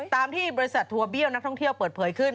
ตามที่บริษัททัวเบี้ยวนักท่องเที่ยวเปิดเผยขึ้น